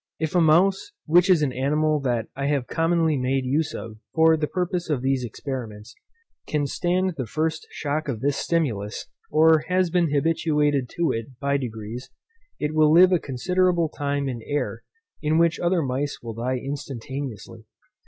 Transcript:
If a mouse (which is an animal that I have commonly made use of for the purpose of these experiments) can stand the first shock of this stimulus, or has been habituated to it by degrees, it will live a considerable time in air in which other mice will die instantaneously.